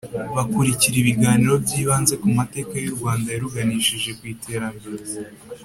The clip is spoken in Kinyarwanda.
Bakurikira ibiganiro byibanze ku mateka y’ u Rwanda yaruganishije kw’ iterambere